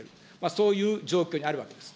そういう状況にあるわけです。